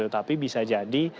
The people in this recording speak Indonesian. tapi bisa jadi